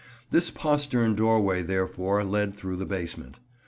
This postern doorway therefore led through the basement.